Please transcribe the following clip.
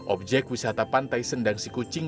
objek wisata pantai sendang sikucing